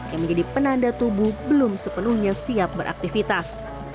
yang menjadi penanda tubuh belum sepenuhnya siap beraktivitas